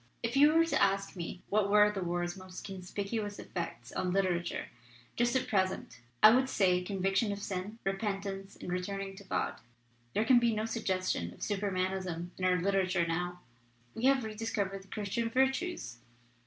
4 'If you were to ask me what were the war's most conspicuous effects on literature just at present, I would say conviction of sin, repentance and turning to God. There can be no suggestion of Supermanism in our literature now. We have rediscovered the Christian Virtues.